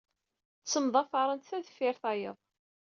Ttemḍafarent ta deffir tayeḍ.